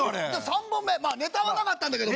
３本目ネタはなかったんだけども。